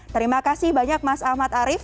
terima kasih banyak mas ahmad arief